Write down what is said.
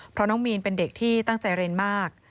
เพราะน้องมีนเป็นเด็กที่ตั้งใจเรียนมาก